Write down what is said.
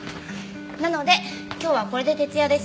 なので今日はこれで徹夜です。